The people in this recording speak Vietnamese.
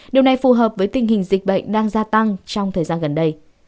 điều này phù hợp với tình hình dịch bệnh đang gia tăng trong thời gian gần đây